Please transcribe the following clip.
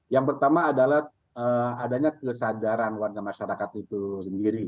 yang pertama adalah adanya kesadaran warga masyarakat itu sendiri